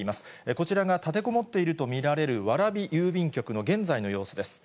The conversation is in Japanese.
こちらが立てこもっていると見られる蕨郵便局の現在の様子です。